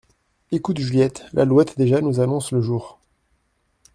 Ecoute Juliette, L’alouette déjà nous annonce le jour !